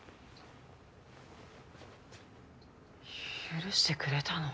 許してくれたの？